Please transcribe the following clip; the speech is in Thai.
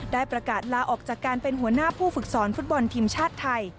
ได้ประกาศลาออกจากการเป็นหัวหน้าผู้ฝึกสอนฟุตบอลทีมชาติไทย